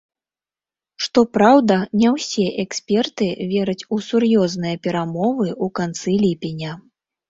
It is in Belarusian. Што праўда, не ўсе эксперты вераць у сур'ёзныя перамовы ў канцы ліпеня.